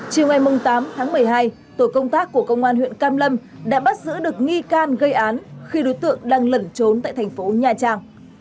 chiều ngày tám tháng một mươi hai tổ công tác của công an huyện cam lâm đã bắt giữ được nghi can gây án khi đối tượng đang lẩn trốn tại thành phố nha trang